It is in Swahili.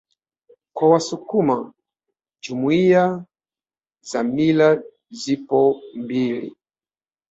Kwa wasukuma Jumuiya za mila zipo mbili